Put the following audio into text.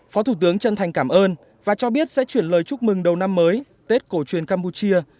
phó thủ tướng chân thành cảm ơn và cho biết sẽ chuyển lời chúc mừng đầu năm mới tết cổ truyền campuchia